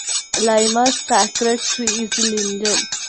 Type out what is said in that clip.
Laima's sacred tree is the linden.